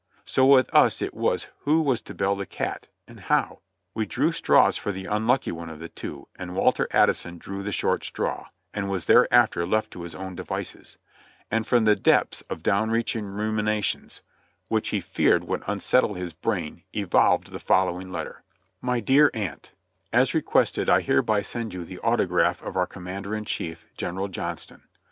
So with us it was who was to "bell the cat," and how? We drew straws for the unlucky one of the two, and Walter Addison drew the short straw, and was thereafter left to his own devices; and from the depths of down reaching ruminations, RUNNING THE BLOCK I25 which he feared would unsettle his brain, evolved the following letter: '*My Dear Aunt : "As requested, I hereby send you the autograph of our Com mander in chief, General Johnston."